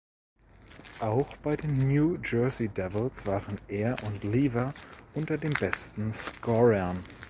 Auch bei den New Jersey Devils waren er und Lever unter den besten Scorern.